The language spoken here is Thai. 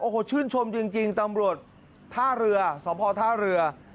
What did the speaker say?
โอ้โหชื่นชมจริงตำรวจท่าเรือสพท่าเรือ